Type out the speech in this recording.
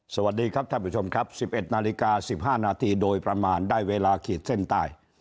สวัสดีครับท่านผู้ชมครับ๑๑นาฬิกา๑๕นาทีโดยประมาณได้เวลาขีดเส้นใต้